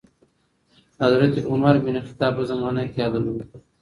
د حضرت عمر بن خطاب په زمانې کي عدل و.